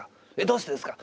どうしてですか？